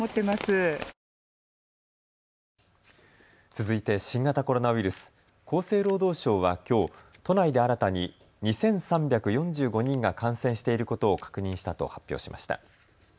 続いて新型コロナウイルス、厚生労働省はきょう都内で新たに２３４５人が感染していることを確認したと発表しました。